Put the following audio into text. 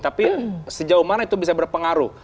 tapi sejauh mana itu bisa berpengaruh